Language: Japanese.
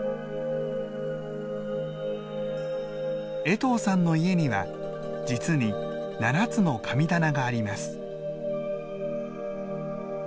江藤さんの家には実に７つの神棚があります。